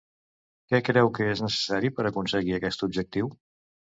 Què creu que és necessari per aconseguir aquest objectiu?